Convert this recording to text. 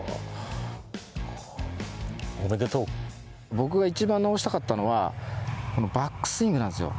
僕が一番直したかったのはこのバックスイングなんですよ。